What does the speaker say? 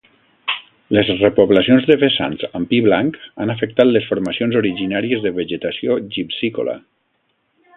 Les repoblacions de vessants amb pi blanc han afectat les formacions originàries de vegetació gipsícola.